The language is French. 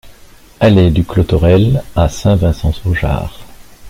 Allée du Clos Thorel à Saint-Vincent-sur-Jard